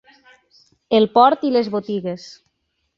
El port i les botigues.